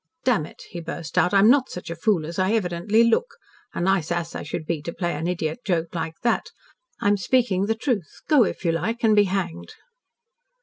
"Damn it," he burst out. "I'm not such a fool as I evidently look. A nice ass I should be to play an idiot joke like that. I'm speaking the truth. Go if you like and be hanged."